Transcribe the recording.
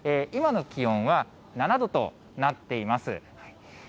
今の気温は７度となっています。